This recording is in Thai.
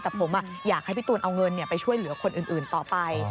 แต่ผมอยากให้พี่ตูนเอาเงินไปช่วยเหลือคนอื่นต่อไป